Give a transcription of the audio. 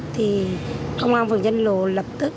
thì công an phường tránh lộ lập tức